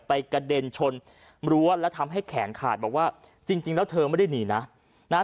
กระเด็นชนรั้วแล้วทำให้แขนขาดบอกว่าจริงจริงแล้วเธอไม่ได้หนีนะนะฮะ